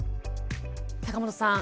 坂本さん